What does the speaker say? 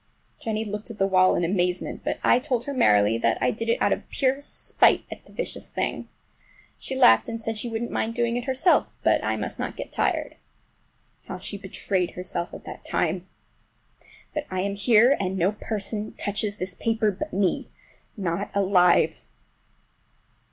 Jennie looked at the wall in amazement, but I told her merrily that I did it out of pure spite at the vicious thing. She laughed and said she wouldn't mind doing it herself, but I must not get tired. How she betrayed herself that time! But I am here, and no person touches this paper but me—not alive!